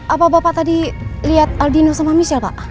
apa bapak tadi lihat aldino sama michelle pak